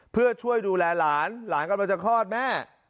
เพื่อช่วยดูแลหลานหลานกำลังจะคลอดแม่